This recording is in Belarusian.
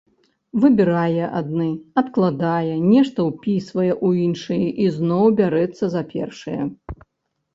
Выбірае адны, адкладае, нешта ўпісвае ў іншыя і зноў бярэцца за першыя.